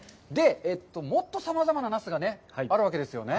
もっとさまざまなナスがあるわけですよね？